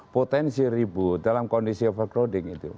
potensi ribut dalam kondisi over crowding itu